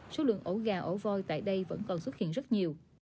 số lượng ổ gà ổ voi tại đây vẫn còn xuất hiện rất nhiều